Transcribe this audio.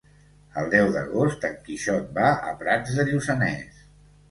El deu d'agost en Quixot va a Prats de Lluçanès.